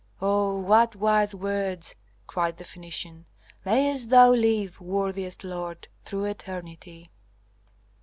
"Oh, what wise words!" cried the Phœnician. "Mayst thou live, worthiest lord, through eternity!"